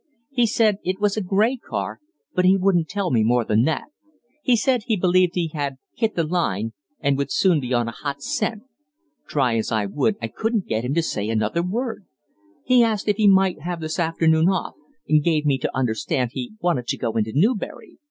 He said it was a grey car, but he wouldn't tell me more than that. He said he believed he had 'hit the line,' and would soon be on a 'hot scent.' Try as I would, I couldn't get him to say another word. He asked if he might have this afternoon off, and gave me to understand he wanted to go into Newbury.